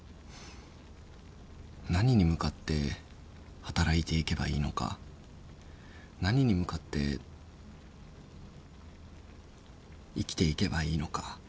何に向かって働いていけばいいのか何に向かって生きていけばいいのか。